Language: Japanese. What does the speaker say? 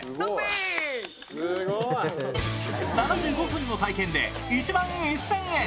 ７５分の体験で１万１０００円。